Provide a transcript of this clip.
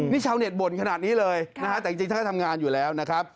นี่ชาวเน็ตบ่นขนาดนี้เลยนะฮะแต่จริงท่านก็ทำงานอยู่แล้วนะครับ